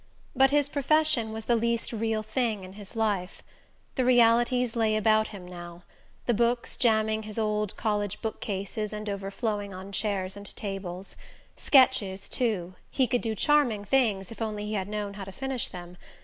But his profession was the least real thing in his life. The realities lay about him now: the books jamming his old college bookcases and overflowing on chairs and tables; sketches too he could do charming things, if only he had known how to finish them!